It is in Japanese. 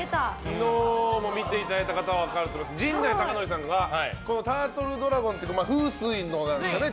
昨日も見ていただいた方は分かると思いますが陣内孝則さんがタートルドラゴンっていう風水のなんですかね